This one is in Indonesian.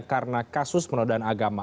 karena kasus penodaan agama